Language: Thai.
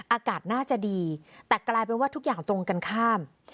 อากาศน่าจะดีแต่กลายเป็นว่าทุกอย่างตรงกันข้าม